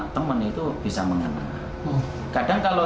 cerita ceritanya gak lucu